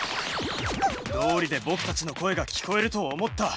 どうりでぼくたちの声が聞こえると思った！